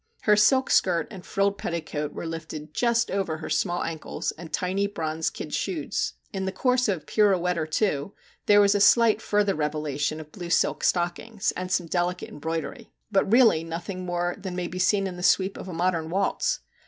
Her silk skirt and frilled petticoat were lifted just over her small ankles and tiny bronze kid shoes. In the course of a pirouette or two, there was a slight further revelation of blue silk stockings and some delicate embroidery, but 50 MR. JACK HAMLIN'S MEDIATION really nothing more than may be seen in the sweep of a modern waltz.